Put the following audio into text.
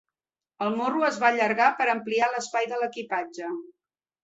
El morro es va allargar per ampliar l'espai de l'equipatge.